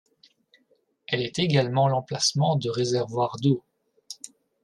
Elle est également l'emplacement de réservoirs d'eau.